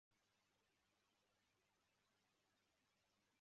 Imbwa ihagaze ku giti mu ishyamba